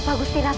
nah gitu dong